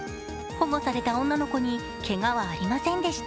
保護された女の子にけがはありませんでした。